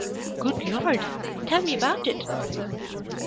"Good Lord! ...Tell me about it."